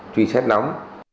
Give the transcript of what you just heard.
truy xét nóng